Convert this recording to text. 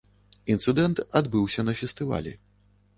Інцыдэнт адбыўся на фестывалі.